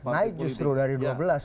naik justru dari dua belas ke empat belas